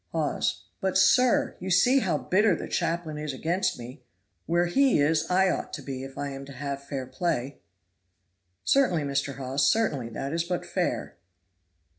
Hawes. "But, sir! you see how bitter the chaplain is against me. Where he is I ought to be if I am to have fair play." "Certainly, Mr. Hawes, certainly! that is but fair."